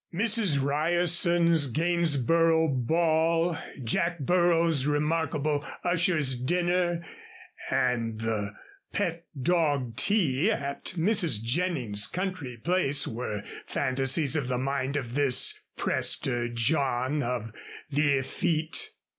Mrs. Ryerson's Gainsborough ball, Jack Burrow's remarkable ushers' dinner, and the pet dog tea at Mrs. Jennings' country place were fantasies of the mind of this Prester John of the effete.